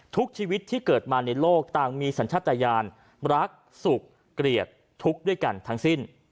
ทุกชีวิตที่เกิดมาในโลกต่างมีสัญชาติยานรักสุขเกลียดทุกข์ด้วยกันทั้งสิ้น